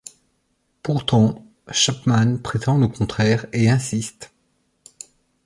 Pourtant, Chapman prétend le contraire et insiste.